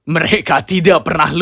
mereka tidak pernah lupa